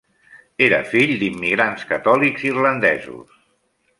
Era fill d'immigrants catòlics irlandesos.